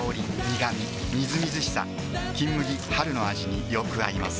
みずみずしさ「金麦」春の味によく合います